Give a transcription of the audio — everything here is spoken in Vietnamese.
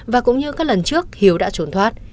và cũng như các lần trước hiếu đã trốn thoát